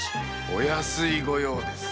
お安い御用です。